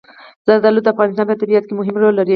زردالو د افغانستان په طبیعت کې مهم رول لري.